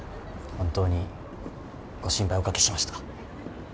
本当にご心配おかけしました。